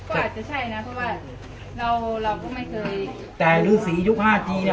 ก็อาจจะใช่น่ะเพราะว่าเราราคมก็ไม่เคยแต่รื้อสีทุกห้าตีน่ะ